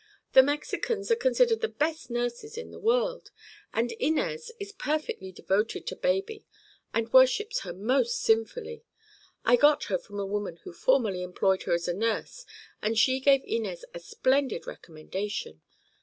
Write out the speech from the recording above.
"The Mexicans are considered the best nurses in the world, and Inez is perfectly devoted to baby and worships her most sinfully. I got her from a woman who formerly employed her as a nurse and she gave Inez a splendid recommendation.